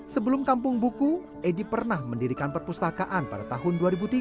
sebelum kampung buku edi pernah mendirikan perpustakaan pada tahun dua ribu tiga